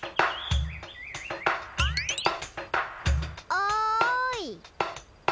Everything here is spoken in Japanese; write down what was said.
おい。